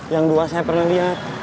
yang dua saya pernah lihat